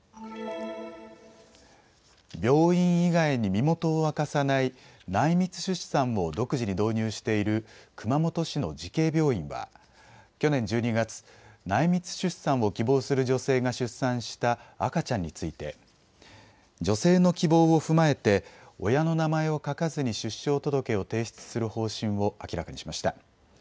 病院以外に身元を明かさない内密出産を独自に導入している熊本市の慈恵病院は去年１２月、内密出産を希望する女性が出産した赤ちゃんについて女性の希望を踏まえて親の名前を書かずに出生届を提出する方針を明らかにしました。